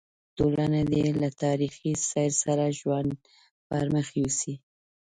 ټولنه دې له تاریخي سیر سره ژوند پر مخ یوسي.